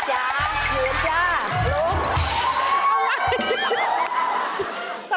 สมัยจ้าเฮียนจ้า